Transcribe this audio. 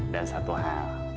dan satu hal